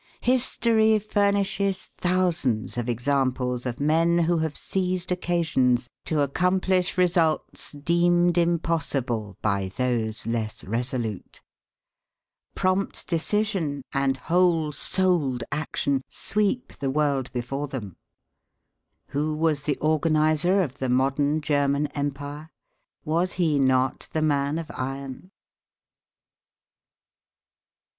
History furnishes thousands of examples of men who have seized occasions to accomplish results deemed impossible by those less resolute. Prompt decision and whole souled action sweep the world before them. Who was the organizer of the modern German empire? Was he not the man of iron?